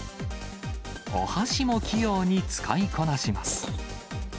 お箸も器用に使いこなします。